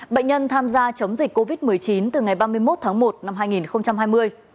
bệnh nhân tham gia chống dịch covid một mươi chín từ ngày ba mươi một tháng một năm hai nghìn hai mươi